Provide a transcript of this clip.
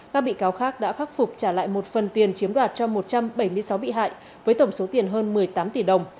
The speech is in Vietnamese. các bị cáo khác đã khắc phục trả lại một phần tiền chiếm đoạt cho một trăm bảy mươi sáu bị hại với tổng số tiền hơn một mươi tám tỷ đồng